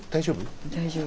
大丈夫？